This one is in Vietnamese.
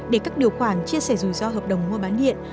để các điều khoản chia sẻ rủi ro hợp đồng mua bán điện